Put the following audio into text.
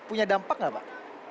punya dampak nggak pak